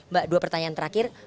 mbak dua pertanyaan terakhir